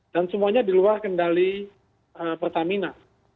dan semuanya di luar kendali pertamina